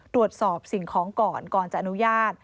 ตรวจสอบสิ่งของก่อนก่อนจะอนุญาต